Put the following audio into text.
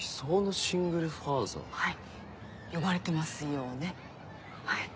はい呼ばれてますよね。